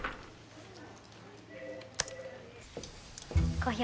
コーヒー